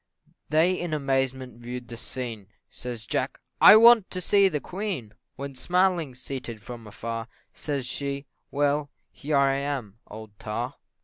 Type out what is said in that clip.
They in amazement view'd the scene Says Jack, "I want to see the Queen!" When smiling, seated from afar, Says she "Well, here I am, old tar."